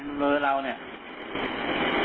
มือเราเนี่ย